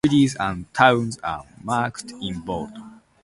Cities and towns are marked in bold.